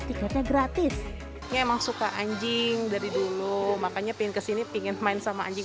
tiketnya gratis memang suka anjing dari dulu makanya pingin kesini pingin main sama anjing